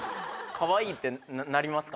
かわいいってなりますか？